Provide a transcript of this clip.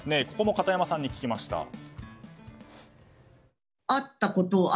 ここも片山さんに聞きました。